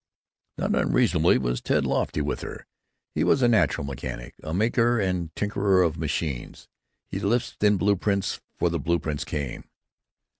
Not unreasonably was Ted lofty with her. He was a natural mechanic, a maker and tinkerer of machines; he lisped in blueprints for the blueprints came.